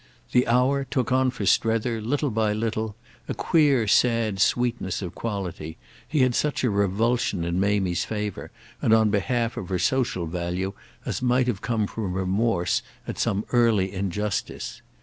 The hour took on for Strether, little by little, a queer sad sweetness of quality, he had such a revulsion in Mamie's favour and on behalf of her social value as might have come from remorse at some early injustice.